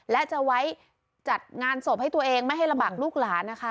และจะไว้จัดงานศพให้ตัวเองไม่ให้ลำบากลูกหลานนะคะ